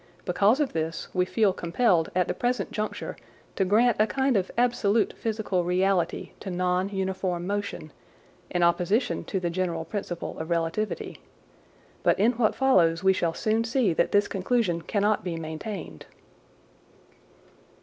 Because of this, we feel compelled at the present juncture to grant a kind of absolute physical reality to non uniform motion, in opposition to the general principle of relatvity. But in what follows we shall soon see that this conclusion cannot be maintained.